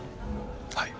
はい。